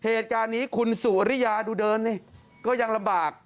เหตุการณ์นี้คุณสุริยาดูเดินดิก็ยังลำบาก